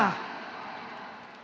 selamat datang di gelora bung karno